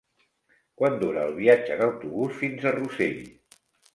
Quant dura el viatge en autobús fins a Rossell?